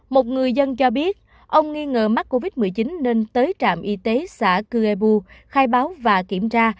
một người dân cho biết ông nghi ngờ mắc covid một mươi chín nên tới trạm y tế xã cư ê bu khai báo và kiểm tra